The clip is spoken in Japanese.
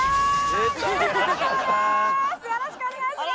よろしくお願いします！